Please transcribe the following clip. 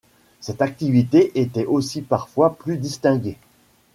Cette activité était aussi parfois plus distinguée.